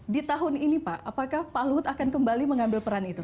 di tahun ini pak apakah pak luhut akan kembali mengambil peran itu